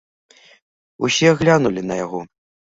Усе глянулі на яго.